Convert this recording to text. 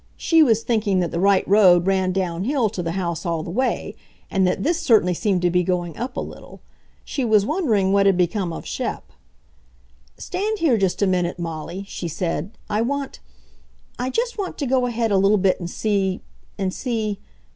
She was thinking that the right road ran down hill to the house all the way, and that this certainly seemed to be going up a little. She was wondering what had become of Shep. "Stand here just a minute, Molly," she said. "I want ... I just want to go ahead a little bit and see ... and see